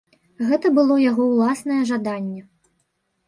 Гэта было яго ўласнае жаданне.